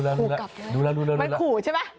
มันขู่ใช่ปะ